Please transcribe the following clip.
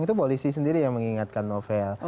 itu polisi sendiri yang mengingatkan novel